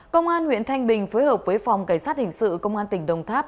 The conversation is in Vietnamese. công an huyện thanh bình phối hợp với phòng cảnh sát hình sự công an tỉnh đồng tháp